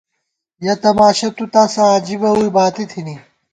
یَہ تماشہ تُو تاسہ عجیبہ ووئی باتی تھنی